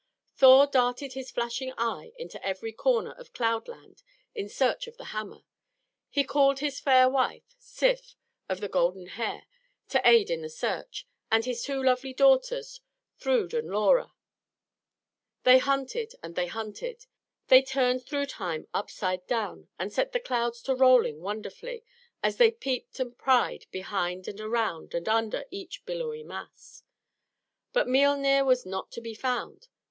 Thor darted his flashing eye into every corner of Cloud Land in search of the hammer. He called his fair wife, Sif of the golden hair, to aid in the search, and his two lovely daughters, Thrude and Lora. They hunted and they hunted; they turned Thrudheim upside down, and set the clouds to rolling wonderfully, as they peeped and pried behind and around and under each billowy mass. But Miölnir was not to be found.